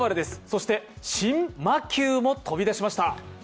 そして新魔球も飛び出しました。